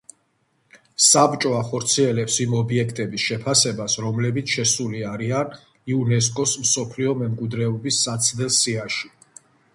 საბჭო ახორციელებს იმ ობიექტების შეფასებას, რომლებიც შესული არიან იუნესკოს მსოფლიო მემკვიდრეობის საცდელ სიაში.